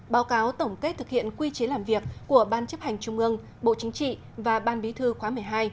báo cáo tổng kết thực hiện quy chế làm việc của ban chấp hành trung ương bộ chính trị và ban bí thư khóa một mươi hai